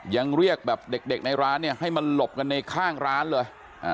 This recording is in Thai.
ยังเรียกแบบเด็กในร้านเนี่ยให้มาหลบกันในข้างร้านเลย